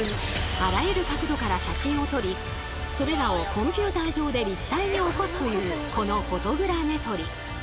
あらゆる角度から写真を撮りそれらをコンピューター上で立体に起こすというこのフォトグラメトリ。